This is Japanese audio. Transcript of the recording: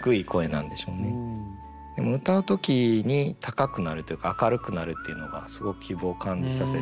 でも歌う時に高くなるというか明るくなるっていうのがすごく希望を感じさせて。